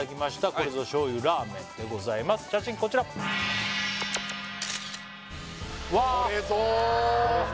これぞ醤油ラーメンでございます写真こちらわこれぞだなこれぞ！